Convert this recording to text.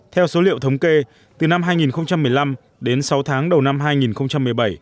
theo số liệu thống kê từ năm hai nghìn một mươi năm đến sáu tháng đầu năm hai nghìn một mươi bảy